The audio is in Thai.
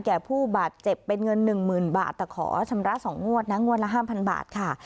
แก่ผู้บาดเจ็บเป็นเงิน๑๐๐๐บาทแต่ขอชำระ๒งวดนะงวดละ๕๐๐บาทค่ะ